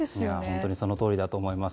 本当にそのとおりだと思います。